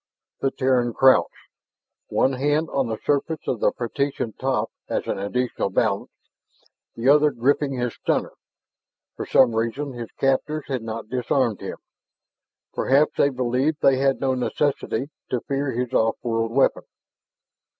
The Terran crouched, one hand on the surface of the partition top as an additional balance, the other gripping his stunner. For some reason his captors had not disarmed him. Perhaps they believed they had no necessity to fear his off world weapon.